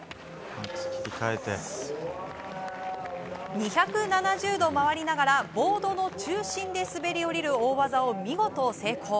２７０度回りながらボードの中心で滑り降りる大技を見事、成功。